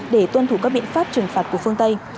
để tuân thủ các biện pháp trừng phạt của phương tây